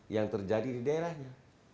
yang terjadi di daerahnya